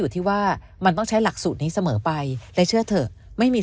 ที่ว่ามันต้องใช้หลักสูตรนี้เสมอไปแต่เชื่อเถอะไม่มี